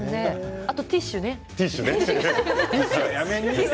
あとティッシュね。